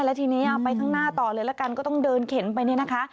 แล้วทีนี้ไปข้างหน้าต่อเลยละกันก็ต้องเดินเข็นไปเนี่ยนะคะ